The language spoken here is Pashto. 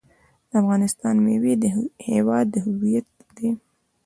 د افغانستان میوې د هیواد هویت دی.